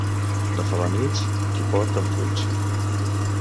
De Felanitx, qui pot en fuig.